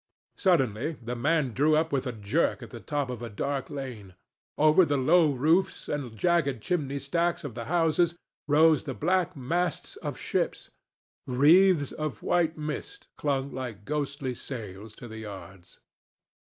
Suddenly the man drew up with a jerk at the top of a dark lane. Over the low roofs and jagged chimney stacks of the houses rose the black masts of ships. Wreaths of white mist clung like ghostly sails to the yards.